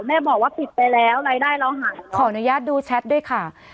แม่บอกว่าปิดไปแล้วรายได้เราหายขออนุญาตดูแชทด้วยค่ะ